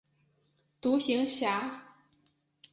独行侠。